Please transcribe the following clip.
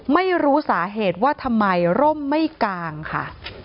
ไม่รู้สาเหตุว่าทำไมร่มไม่กางค่ะ